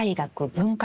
文化